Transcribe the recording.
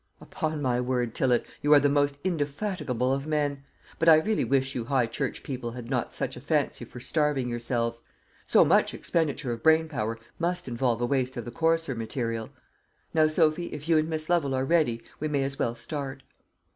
"Upon my word, Tillott, you are the most indefatigable of men; but I really wish you High church people had not such a fancy for starving yourselves. So much expenditure of brain power must involve a waste of the coarser material. Now, Sophy, if you and Miss Lovel are ready, we may as well start."